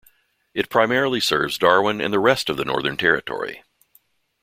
It primarily serves Darwin and the rest of the Northern Territory.